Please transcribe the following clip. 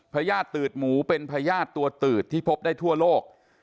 ญาติตืดหมูเป็นพญาติตัวตืดที่พบได้ทั่วโลก